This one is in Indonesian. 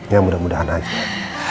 ya mudah mudahan aja